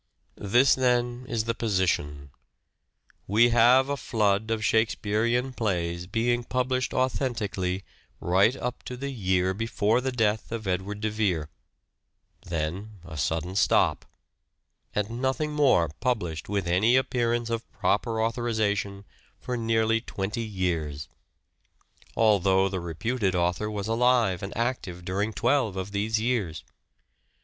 This, then, is the position. We have a flood of Shakespearean plays being published authentically right up to the year before the death of Edward de Vere, then a sudden stop, and nothing more published with any appearance of proper authorization for nearly twenty years, although the reputed author was alive and active during twelve of these years.